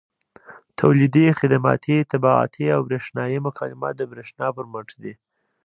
تولیدي، خدماتي، طباعتي او برېښنایي مکالمات د برېښنا پر مټ دي.